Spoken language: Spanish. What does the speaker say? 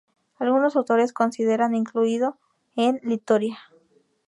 Algunos autores lo consideran incluido en "Litoria".